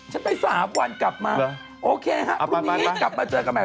ฉันไปสามวันกลับมาโอเคครับรุ่นนี้กลับมาเจอกันใหม่เอาล่ะไป